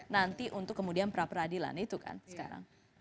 nanti untuk kemudian perapradilan itu kan sekarang